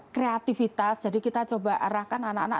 kreativitas jadi kita coba arahkan anak anak